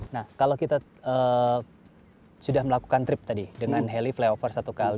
nah kalau kita sudah melakukan trip tadi dengan heli flyover satu kali